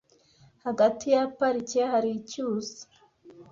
Hagati ya parike hari icyuzi.